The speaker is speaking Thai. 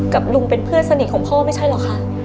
กับลุงเป็นเพื่อนสนิทของพ่อไม่ใช่เหรอคะ